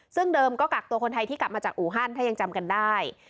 ซึ่งเดิมก็กักตัวคนไทยที่กลับมาจากอูฮันถ้ายังจำกันได้